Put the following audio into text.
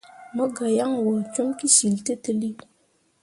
Mo gah yan wo com kǝsyiltǝlli.